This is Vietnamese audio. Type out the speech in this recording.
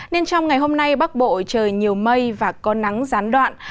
nên trong ngày hôm nay bắc bộ trời nhiều mây và có nắng gián đoạn